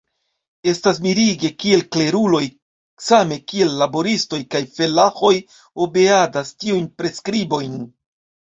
Estas mirige, kiel kleruloj same kiel laboristoj kaj felaĥoj obeadas tiujn preskribojn.